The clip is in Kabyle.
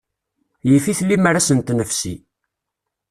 Yif-it limmer ad sent-nefsi.